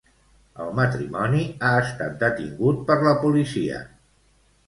El matrimoni ha estat detingut per la policia.